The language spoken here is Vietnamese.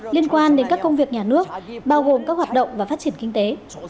liên quan đến các công việc nhà nước bao gồm các hoạt động và phát triển kinh tế